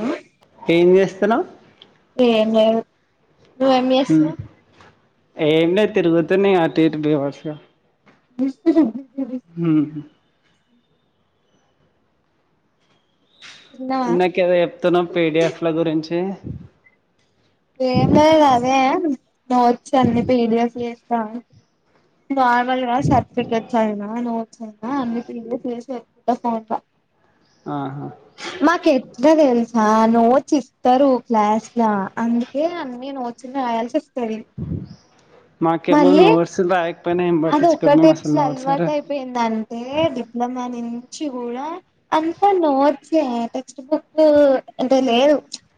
ఆ ఏం చేస్తున్నావ్ ఏం లేదు నువ్వేం ఉ చేస్తున్నావ్ ఏం లేదు తిరుగుతున్న అటు ఇటు బేవర్స్ గా [unintelligible] హు తిన్నావా ఇందాకేదో చెప్తున్నావ్ పిడిఎఫ్ ల గురించి ఏం లేదు అదే నోట్స్ అన్ని పీడియఫ్ చేస్తా నార్మల్ గా సర్టిఫికెట్స్ అయినా నోట్స్ అయినా అన్ని పిడిఎఫ్ చేసి పెట్టుకుంటా ఫోన్ల ఆహా మాకు ఎట్లా తెలుసా నోట్స్ ఇస్తారు క్లాస్ల అందు కే అన్ని నోట్స్ లా రాయాల్సి ఆస్తాది మాకేమో నోట్స్ రాకపోయినా ఏమి పట్టించుకోరు మేమ్ అసలు నోట్ సే రాయము ఏందంటే డిప్లొమా నుంచి కూడా అంతా నోట్సే టెక్స్ట్ బుక్ అంటే లేదు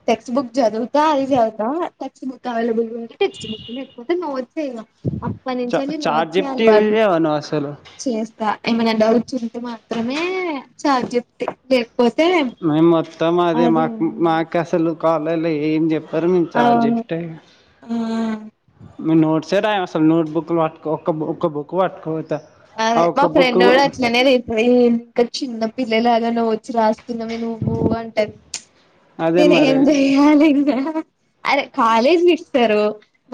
టెక్స్ట్ బుక్ చదువు తా అది చదువుతా text book available text book లేకపోతే నోట్ సే ఇగ అప్పన్ను చెల్లి నో టీవీ ఎయ్యవా నువ్వు అసలు చేస్తా ఏమైనా డౌట్స్ ఉంటే మాత్రమే చాట్ జిపిటి టేక్ పోతే, మ మొత్తం మా అద మాకు మా, కసలు కాలేజీలో ఏం చెప్పారు మేము ఆ చార్జిబిటే, మీ నోట్ సే రాయము అసలు నోట్ బుక్లు పట్టుకో ఒక ఒక్క బుక్ పట్టుకపోతా, అదే మా ఫ్రెండ్ కూడా అట్లనే తీస్, వే ఇంకా చిన్న పిల్లలాగా నోడ్స్ రాస్తున్నావే నువ్వు అంటది. అదే నేను ఏం మరి జయలి ఇంకా అరే కాలేజ్ వి ఇస్తారు.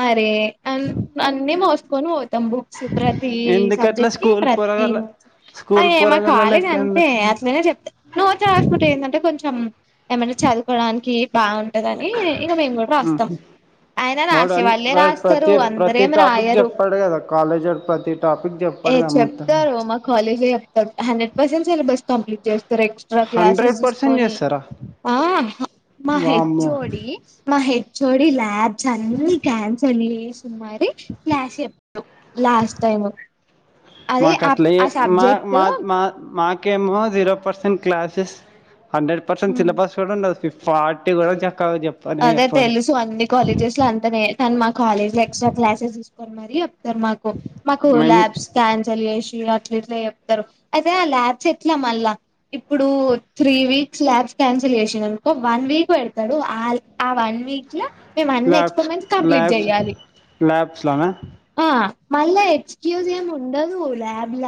మరే అన్ అన్ని మోసుకొని పోతాం బుక్, సు ప్రతిీ ఎందుకట్లా సబ్జెక్ట్ కి స్కూల్ ప్రతిీ పోరగాళ్ళ నోడ్స్ అ స్కూల్ మా పోరగాళ్ళ కాలేజ్ లెక్క అంతే ఎందుకు అ, నేనే చెప్తా నోట్స్ రాసుకుంటే ఏందంటే కొంచెం ఏమన్నా చదువుకోవడానికి బాగు, టాది అన్ని ఇంకా మేము కూడా రాస్తాం. ఉహు ఆయన వాడు రాసే అన్ని వాళ్ళే వా రాస్తారు ప్రతి ప్రతి అందరేం టాపిక్ రాయరు చెప్పాడు కదా కాలేజ్డు ప్రతి టాపిక్ చెప్ప, ఏ చెప్తారు మా కాలేజ్ చెప్తారు హండ్రెడ్ పర్సెంట్ సిలబస్ కంప్లీట్ చేస్తారు extra hundred classes percent తీసుకొని చేస్తారా ఆ, మా హెచ్ వామ్మో ఓ డి మా హెచ్ ఓ డి ల్యాబ్స్ అన్నిీ క్యాన్సల్ చేసి, మరి క్లాస్ చెప్తాము లాస్ట్ టైము, మాకు అట్లే హే మా మా మా మాకు, ఓకేమో zero percent classes hundred percent syllabus కూడా ఉండదు ఫిఫ్టీ పార్టీ కూడా చక్కగా చెప్ప, అదే తెలుసు అన్ని కాలేజెస్ లో అంతా నేస్తానే కానీ మా కాలేజీ లో ఎక్స్ట్రా క్లాసెస్ తీసుకోొని మరి, చెప్తారు మాకు మాకు మేము ల్యాబ్స్, క్యాన్సల్ చేసి ఇగ అట్ల ఇట్లా చెప్తారు అయితే ల్యాబ్స్ ఎట్లా మళ్ళా, ఇప్పుడు త్రీ వీక్స్ ల్యాబ్స్ క్యాన్సిల్ చేసిండనుకో వన్ వీక్ పెడతాడు ఆ లాప్, అవి వన్ వీక్ లో మేము అన్ని ల్యాబ్స్ ఎక్స్పరిమెంట్స్ కంప్లీట్ ల్యాబ్స్ చెయాలి. ల్యాబ్స్లోనా ఆ మళ ఎక్స్క్యూజ్ ఏమీ ఉండదు ల్యాబ్ల,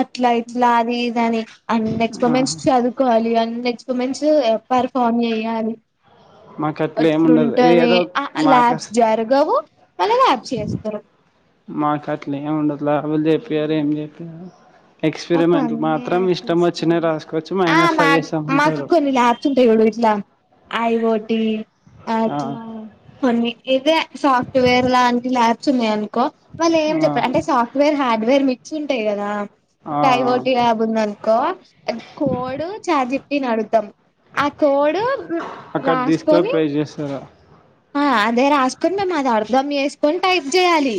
అట్లా ఇట్లా అది ఇది అని అన్న ఎక్స్ప ఆహా మన్స్ చదువు, కోవాలి అ నెక్స్ మన్స్ పర్ఫార్మ్ చేయ్యాలి, మాకి అట్లా ఏముండదు ఏదో క్ ఆ మాకు, ల్యాబ్స్ జరగవు మళ్ళ ల్యాబ్స్ చేస్తారు మాకు అట్లే ఏమి ఉండదు ల్యాబ్లు చెప్పియ్యరు ఏం చెప్పియ్యరు. మాకు ఎక్స్పరిమెంట్లు అన్నీ మాత్రం ఇష్టం వచ్చిన ఏపిస్తారు రాసుకోవచ్చు మైనస్ ఫైవ్ అవి ఉంటారు. తంటయి చూడు ఇట్లా ఆఐవోటి ఆ అట్లా, కొన్ని ఇదే సాఫ్ట్వేర్ లాంటి ల్యాబ్స్ ఉన్నాయి అనుకో వాళ్ళు ఏం ఆ చెప్పారు అంటే సాఫ్ట్, వేర్ హార్డ్వేర్ మిక్స్ ఉంటాయి కదా ఆ ఐవోటి యాబ్ ఉందను. కో కోడు చాజిప్పి అడుతాం ఆ కోడు, అక్కడ తీసుకొని రాసుకోని, పే చేస్తారు ఆ అదే రాసుకొని మేము అది అర్ధం చేసుకొని టైప్ చేయాలి.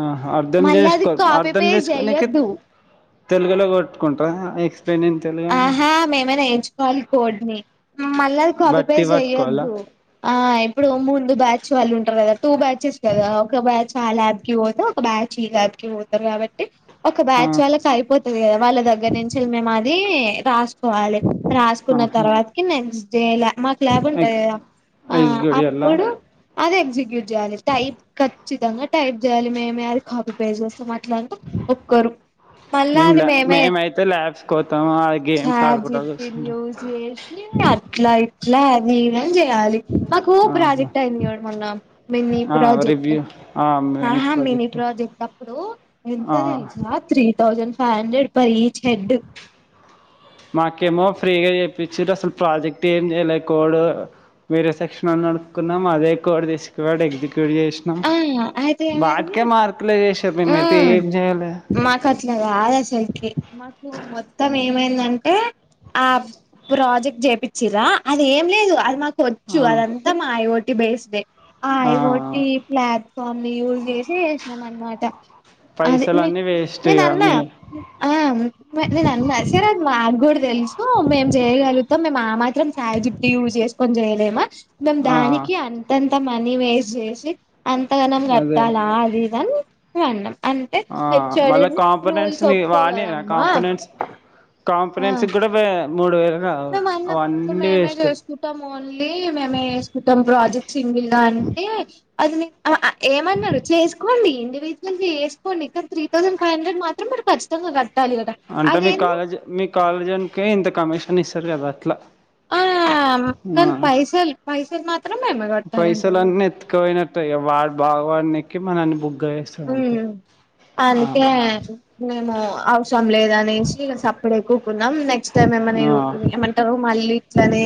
ఆ అర్ధం మళ్ళీ అది చేసుకో కాపీ అర్ధం పేస్ట్ చేసుకోని చెయ్యొద్దు తెలుగలో కొట్టుకుంటా ఎక్స్, పె నేను తెలుగు, అని ఆహా మేమే నేయించుకోవాలి కోడ్ ని మళ్ళీ అ కాపీ బట్టి పేజ్ పట్టుకోవాలా చెయ్యొద్దు. ఆ ఇప్పుడు ముందు బ్యాచ్ వాళ్ళు ఉంటారు కదా టూ బ్యాచెస్ కదా ఒక బ్యాచ్ ఆ ల్యాబ్కి పోతే ఒక బ్యాచ్, చి ల్యాబ్ కి పోతారు కాబట్టి, ఒక ఆ బ్యాచ్ వాళ్ళకి అయిపోతది కదా వాళ్ళ దగ్గర నుంచి మేము అది రాస్, కోవాలి రాసుకున్న ఆహా తర్వాతకి నెక్స్ట్ డేలా మాక్, క్లబ్ ఉంటాంది ఎక్స్ కదా ఆ ఎగ్జిక్యూటివ్లా అప్పుడు, అది ఎగ్జిక్యూట్ చేయాలి టైప్ ఖచ్చితంగా టైప్ చేయాలి మేమే అది కాపీ పేజ్ చేస్తాం. క్లంటా ఒక్కరు మళ్ళ అది మేమే అంటే ల్యాబ్స్ కోతమా చాట్ జిపిటి నీ యూస్ చేసి అట్లా ఇ ట్లా అది ఇది అని చెయాలి మాకు ఆహా ప్రాజెక్ట్ అయింది చూడు మొన్న మిన్ని ఆ ప్రాజెక్ట్ రివ్యూ ఆహా మినీ ప్రాజెక్ట్ అప్పుడు ఎంత ఆ తెలుసా three thousand five hundred per each head మాకేమో ఫ్రీగా చేపిచిరు అసలు ప్రాజెక్ట్ ఏం చేయలే కోడ్ వేరే సెక్షన్ నోని అడుకున్నాం అదే కోడ్ తీసుకుడి ఎగ్జిక్యూట్ చేసి ఆ అయితే ఏమైంది వటికే మార్కులే చేసరు మేమైతే ఏం చేయలే గట్లా కాదు అసలుకి మొత్తం ఏమైందంటే ఆ ప్రాజెక్ట్ చెప్చిర అది ఏం లేదు అది మాకు కొచ్చు ఆ, అదంతా మాయ ఐఓటి బేస్డ్ ఆ అయిఒటి ప్లాట్ఫామ్ ని యూజ్ చేసి చేసినాం అనమాట అదే మీ పైసలన్నీ వేస్ట్ నేను ఇక అన్న మీ ఆ నేను అన్నా సరే అది మాకు కూడా తెలుసు మేము చేయగలుగుతాం మేము మా మాత్రం చయి చెం యూజ్ చేసుకొని చేయలేమా మేము ఆ, దానికి అంతంత మనీ వేస్ట్ చేసి అంతగానం అదే కట్టాలా అది ఇదనీ మేము అన్నం అంటే ఆ, హెచ్వోడి మళ్ళీ కాంపనెంట్స్ రూల్స్ మీ వాడి ఒప్పుకోగదమ్మా కాంపనెంట్స్ ఆ కాంపనెంట్స్కి కూడా మూడు వేలు కావు అవన్నీ వేస్ట్ ఎ స్కూటమ్ ఓన్లీ మేమే చేస్కటం ప్రాజెక్ట్ సింగిల్గఅని అంటే అది ఆ ఏమన్నారు చేసుకోండి ఇండివిజువల్ చేసుకో కొండి కానీ త్రీ థౌసండ్ ఫై్ండ్రెడ్ మాత్రం మీరు కచ్చితంగా కట్టాలికదా అంటే మీ కాలేజ్ మీ కాలేజీనికి ఇంత కమిషన్ ఇస్తారు కదా అట్లా ఆ ఆ కని పైసలు పైసలు మాత్రం మేమే కట్టలంట ఎత్తుకుపోయిన ఇగ వాడు బాగు వాడనికి మనని బుగ్గ చేసి హ్మ్మ్ అందుకే మేము అవసరం లేదనేసి సప్పుడేక ఊకొన్నమ్ నెక్స్ట్ టైమ్ ఏమన్నా ఆ ఏ ఆ మళ్ళీ ఇట్లనే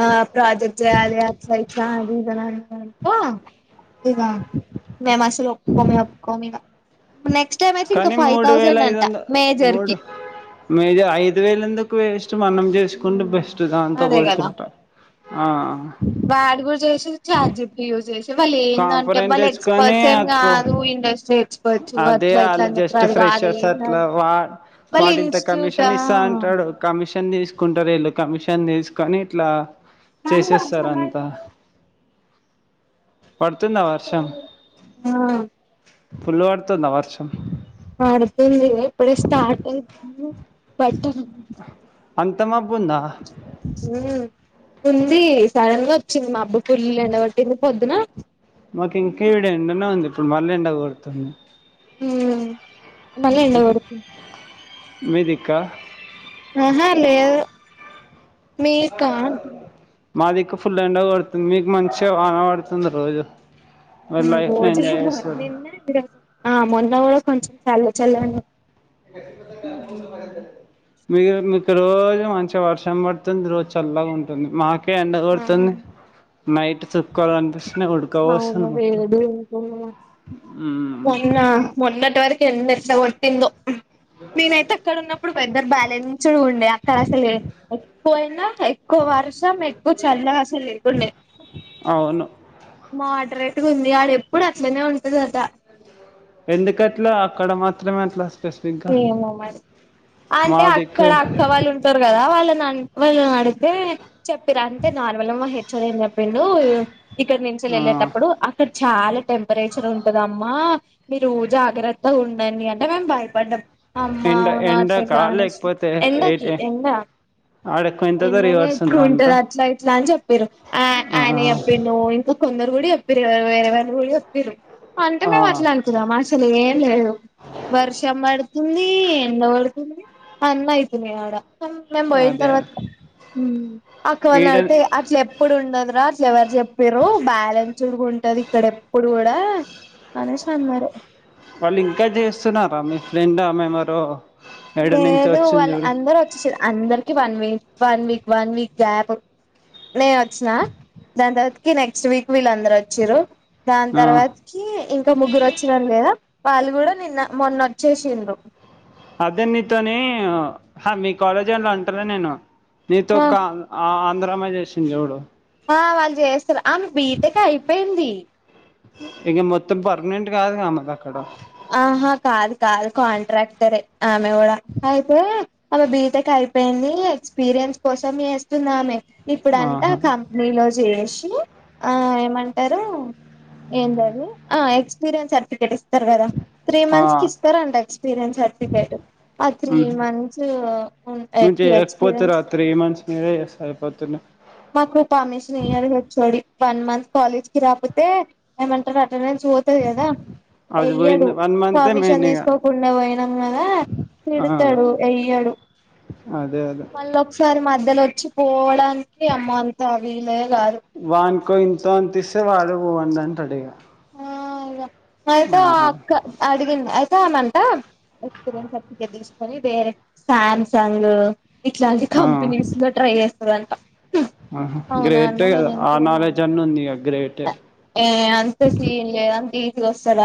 ఆ ప్రాజెక్ట్ చేయాలి అట్లా ఇట్లా అది ఇదనాకో ఇగా మె మాసలు ఒప్పుకోమ్ ఒప్పు ఇగా నెక్స్ట్ ఐం కానీ ఫైవ్ థౌసండ్ అంటా మేజర్ కి మేజ్ ఐదు వేలందకు వేస్ట్ మనం చేసుకుంటే బెస్ట్ దాంతో అదే పోల్సుకుంటా ఆ వాడి కూడా చేసి చార్జి డిపి యూ చేసి ఇవాళ ఏందంటే కాంపోనెంట్ వాళ్ళ తెచ్చుకొని ఎక్స్పర్ట్స్ ఏం ఆ కాదు ఇండస్ట్రీ ఎక్స్పర్ట్స్ అదే అట్లా ఇట్లా అల్ అని జస్ట్ చెప్తారు అది కాదు ఫ్రెషర్స్ ఏం అట్లా కాదు వా వాళ్ళు బాడింత ఇన్స్టిట్యూట్ కమిీషన్ ఇస్తా ఆ అంటాడు కమిషన్ తీసుకుంటారు ఇళ్ళు కమిషన్ తీసుకొని ఇట్లా ఆ చేసేస్తార అంతా పడుతుందా వర్షం ఆ పుల్లు పడుతుందా వర్షం పడుతుంది ఇప్పుడే స్టార్ట్ అయితు బట్టన అంత మబ్బుంద ఉంది సడన్ గా వచ్చింది మబ్బు ఫుల్ల్ ఎండ కోట్టింది పొద్దున మాకు ఇంకా ఈడ ఎండనే ఉంది ఇప్పుడు మళ్ళ ఎండకోడుతుంది ఉమ్ మళ్ళీ ఎండగొడుతుంది మీదిక్క ఆహ లేదు మీకా మాదికు ఫుల్ ఎండ పడుతుంది మీకు మంచిగా వాన పడుతుంది రోజు మీరు లైఫ్ని రోజు ఎంజాయ్ బ చేస్తారు నిన్న ఆ మొన్న కూడా కొంచెం చల్ల చల్లగుండె ఏ తు మ్ మీ మీకు రోజు మంచిగా వర్షం పడుతుంది రోజు చల్లగా ఉంటుంది మాకు ఎండ కొడుతుంది నైట్ చుక్కలు కనిపిస్తున్నాయ్ ఉడుక అవును పోస్తుంది ఉమ్ వేడి ఉంటుంది మొన్న మొన్నటి వరకు ఎండ ఎట్లా కొట్టిందో నేనైతే అక్కడ ఉన్నప్పుడు వెదర్ బ్యాలెన్స్డ్ ఉండే అక్కడ అసలే ఎక్కువయినా ఎక్కువ వర్షం ఎక్కువ చల్ల అసలు లేకుండ అవును మోడరేట్గా ఉంది వాళ ఎప్పుడు అట్లనే ఉంటదట ఎందుకట్లా అక్కడ మాత్రమే అట్లా స్పెసిఫిక్గా ఏమె మరి మా అంటే దిక్కు అక్కడ అక్క వాళ్ళు ఉంట టారు కదా వాళ్ళ వాళ్ళ నాడితే చెప్పరా అంటే నార్మల్మ్ మా హెచ్డు ఏం చెప్పిండు ఇక్కడ నుంచి ఆ వెళ్ళేటప్పుడు అక్కడ చాలా టెంపరేచర్ ఉంటదమ్మా మీరు జాగ్రత్త ఉండండి అంటే మేము బయ ట అమ్మా ఎండ అవునా ఎండకా అను ఎండకి ఎండ అడకు ఎంతైనా ఎక్కువ ఉంటది అట్లా ఇట్లా అని చెప్పారు ఆ ఆయన చెప్పిరూ ఇంకా కొందరు కూడా చెప్పరు వేరే వాళ్ళు కూడా చెప్పారు అంటే ఆ మేము అట్లా అనుకునం అస్సలు ఏం లేదు వర్ష చె పడుతుంది ఎండ పడుతుంది అన్న అయితున్నాయి ఆడ మేము పోయిన అదే తర్వాత అక్క వాళ్ళ ఈడ అడితే అట్ల ఎప్పుడు ఉండదురా అట్ల ఎవరు చె పిరు బ్యాలెన్స్డ్ ఉంటది ఇక్కడ ఎప్పుడు కూడా అనేసి అన్నారు వాళ్ళు ఇంకా చేస్తున్నారా మీ ఫ్రెండ్ ఆమె ఎవరో ఏడ నుంచి లేదు వచ్చింది వాళ్ళ చూడు అందరు వచ్చే అందరికి one week one week one week gap నేను వచ్చినా దాని తర్వాతకి నెక్స్ట్ వీక్ వీళ్ళందరు వచ్చారు దాని ఆ తర్వాతకి ఇంకా ముగ్గురు వచ్చిన లేదా వాళ్ళు కూడా నిన్న మొన్నొచ్చేసిండ్రు అదే నీతోని మీ కాలేజ్ వాళ్ళు అంటారా నేను నీతో ఒక ఆ ఆంధ్ర అమ్మ చేసింది చూడు ఆ వాళ్ళు చేస్తారు ఆమె బీటెక్ అయిపోయింది ఇక మొత్తం పర్మనెంట్ కాదు కదా ఆమెకి అక్కడ ఆహా కాదు కాదు కాంట్రాక్టర్ ఆమె కూడా అయితే అ బీటెక్ అయిపోయింది ఎక్స్పీరియన్స్ కోసం చేస్తుంది అమె ఇప్పుడు అంటా ఆహా కం నీలో చేసి ఆ ఏమంటారు ఏంద అది ఎక్స్పీరియన్స్ సర్టిఫికేట్ తర్ కదా త్రీ ఆ మంత్స్ కి ఇస్తారండి ఎక్స్పీరియన్స్ సర్టిఫికేట్ ఆ త్రీ మ్మ్ మంత్స్ కేహచ్ పోపోతే రాత్రి మంచిషినరస్తా అయిపోతు మాకు పామిషన్ ఇయరు వన్ మంత్ కాలజకిి రాపుతే ఏమంటారు అటెండెన్స్ పోతాది కదా అది ఎయ్యాడు పోయింది వన్ మంతే పర్మిషన్ మెయిన్ ఇక తీసుకోకుడా పోయినాం కదా ఆ తిడుతడు ఎయ్యాడు అదే అదే కని మధ్యలో వచ్చి పోవడానికి అమ్మో అంత వీలే కాదు వానుకో ఇంత అంతస్తే వాడు పొండి అంటడిగా ఆ ఇగ ఐతే ఆ అక్క అడి అయితే ఆమ అంట ఎక్స్పీరియన్స్ సర్టిఫికెట్ తీసుకొని వేరే సాంసంగ్ ఇట్లాంటి ఆ కంపెనీస్ లో ట్రై చేస్తాదంట ఆహా గ్రేట్ ఆ నాలెడ్జ్ ఇంకేమన్న అన్ని ఉంది గ్రేటె ఏ అంత సీన్ లేదు అంత ఈజీగా వస్తాద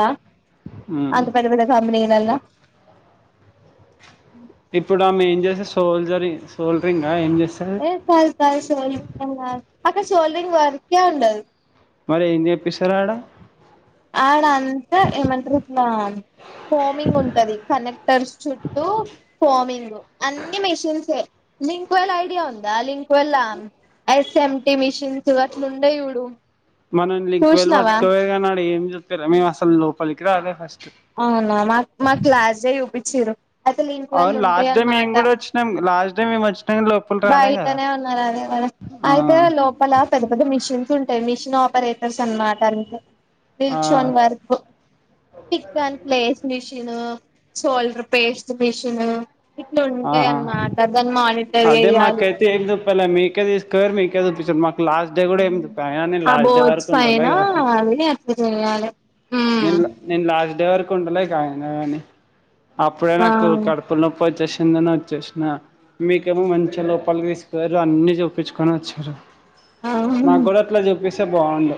మ్మ్ అంత పెద్ద పెద్ద కంపెనీలల్లా ఇప్పుడు ఆమె ఏం చేస్తది సోల్జరి సోల్రింగ్ ఆ ఏం చేస్తది ఏ కాదు కాదు షోల్డంగ్ అక్కడ షోల్డ్రింగ్ వర్కే ఉండదు మరి ఏం చెప్పస్తారడ ఆడ అంతా ఏమంటారు ఇట్ల ఫోమింగ్ ఉంటది కనెక్టర్ చుట్టూ ఫోమింగ్ అన్ని మిషిన్సే లింక్ వెల్ ఐడియా ఉందా లింక్ వెల్ ఎస్ఎంటి మిషిన్స్ అట్లు ఉండే చూడు మనల్ లింకువేల్ చూసినావా పట్టుకపోయిండ్లు గానీ ఆడ ఏం చుత్తారు మేము అసలు లోపలికి రాలే ఫస్ట్ అవునా మాకు మాకు లాస్ట్ డే చూపిచ్చిర్రు అసలు లింక్ వెల్ అవును లాస్ట్ డే ఉంటాయన్నమాట కూడా వచ్చినాం మేము లాస్ట్ డే మేము వచ్చినం లో బయటనే ఉన్నది అది ఆ అయితే లోపల పెద్ద పెద్ద మిషిన్స్ ఉంటాయి మిషిన్ పరేటర్స్ అనమాట అంటే ఆ నిల్చొని work pick and place machine solder paste machine ఇట్ల ఆ ఉంటాయి అన్నమాట దాని మా అదే మాకు అయితే ఏం చెప్పాలే మీకే తీసుకోని పోయారు మీకే చూపించారు మాకు లాస్ట్ డే కూడా ఏమి చూపియాలే అయిన నేను ఆ లాస్ట్ డే బోర్డ్స్ వరకు ఉండాలే పైన ఫస్ట్ అవి అట్లా చేయాలి ఉమ్ నేను నేను లాస్ట్ డే వరకు ఉండలే అయినా కాని అప్పుడే ఆ నాకు కడుపుల నొప్పి వచ్చేసి ది అని వచ్చేసిన మీకేమో మంచిగా లోపలికి తీసుకోపోరు అన్ని చూపించుకొని వచ్చారు ఆ మాకు కూడా అట్లా చూపిస్తే బాగుండు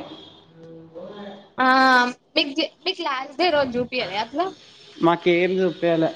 ఆ మీ మీకు లాస్ట్ డే రోజు జూపియాలే అట్లా మాకేం చూపియ్యలే